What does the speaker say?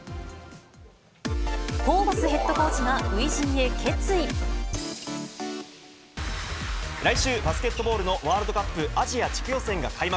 ホーバスヘッドコーチが初陣来週、バスケットボールのワールドカップアジア地区予選が開幕。